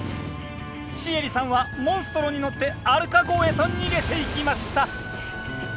シエリさんはモンストロに乗ってアルカ号へと逃げていきました